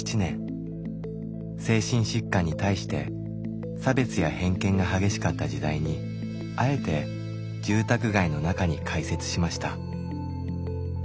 精神疾患に対して差別や偏見が激しかった時代にあえて住宅街の中に開設しました。